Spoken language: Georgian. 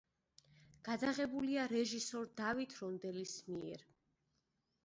გადაღებულია რეჟისორ დავით რონდელის მიერ.